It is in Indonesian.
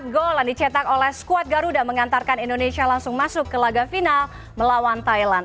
empat gol yang dicetak oleh skuad garuda mengantarkan indonesia langsung masuk ke laga final melawan thailand